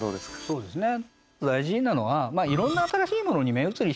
そうですね。